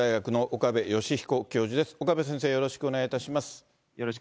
岡部先生、よろしくお願いいたします。